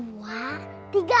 satu dua tiga